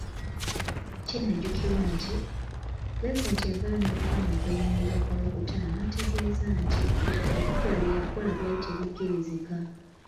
Kinajjukirwa nti, Pulezidenti yavaayo n'awakkanya okweyimirirwa kwa Rukutana n'ategeeza nti, ebikolwa bye yakola byali tebikkirizika.